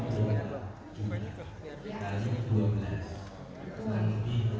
kalau sudah bersaik ini